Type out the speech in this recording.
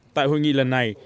tại hội nghị lần này